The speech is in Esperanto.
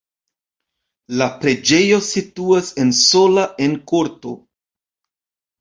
La preĝejo situas en sola en korto.